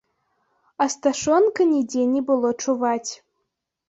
Асташонка нідзе не было чуваць.